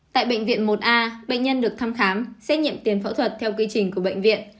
tại bệnh viện một a bệnh nhân được thăm khám xét nghiệm tiền phẫu thuật theo quy trình của bệnh viện